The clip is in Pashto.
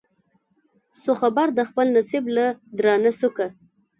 سو خبر د خپل نصیب له درانه سوکه